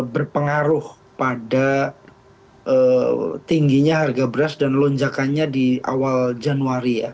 berpengaruh pada tingginya harga beras dan lonjakannya di awal januari ya